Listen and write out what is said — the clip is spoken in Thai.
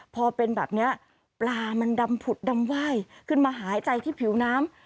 พอเป็นแบบนี้ปลามันดำผุดดำไหว้ขึ้นมาหายใจที่ผิวน้ำ